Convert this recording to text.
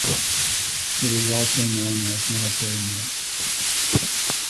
It is also known as Military Net.